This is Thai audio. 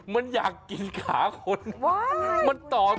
มันอยากกินขาคน